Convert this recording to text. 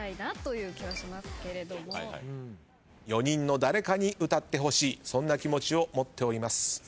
４人の誰かに歌ってほしいそんな気持ちを持っております。